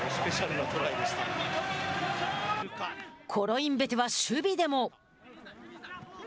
コロインベテは守備でも。